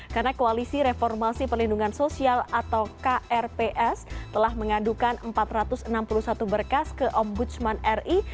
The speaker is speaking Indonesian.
karena koalisi reformasi pelindungan sosial atau krps telah mengadukan empat ratus enam puluh satu berkas ke ombudsman ri